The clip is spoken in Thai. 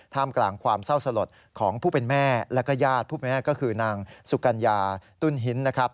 กลางความเศร้าสลดของผู้เป็นแม่แล้วก็ญาติผู้เป็นแม่ก็คือนางสุกัญญาตุ้นหินนะครับ